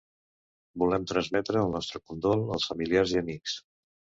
Volem transmetre el nostre condol als familiars i amics.